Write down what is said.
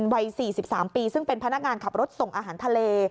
วัย๔๓ปีซึ่งเป็นพนักงานขับรถส่งอาหารทะเล